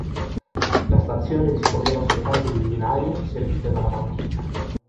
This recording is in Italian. La stazione disponeva soltanto di un binario servito da una banchina.